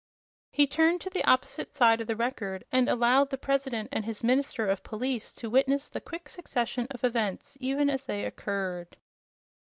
He turned to the opposite side of the Record and allowed the President and his minister of police to witness the quick succession of events even as they occurred.